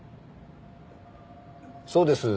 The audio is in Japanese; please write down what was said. そうです。